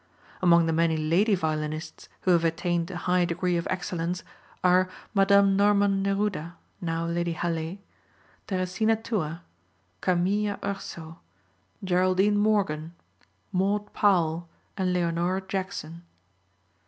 Among the many lady violinists who have attained a high degree of excellence are Madame Norman Neruda, now Lady Hallé, Teresina Tua, Camilla Urso, Geraldine Morgan, Maud Powell and Leonora Jackson.